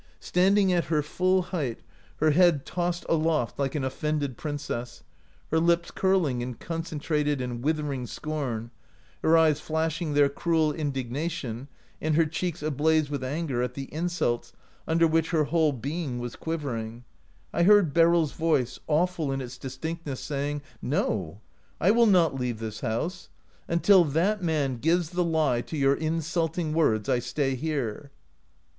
"Standing at her full height, her head 29 OUT OF BOHEMIA tossed aloft like an offended princess, her lips curling in concentrated and withering scorn, her eyes flashing their cruel indigna tion, and her cheeks ablaze with anger at the insults under which her whole being was quivering — I heard Beryl's voice, awful in its distinctness, saying, ' No, I will not leave this house. Until that man gives the lie to your insulting words, I stay here.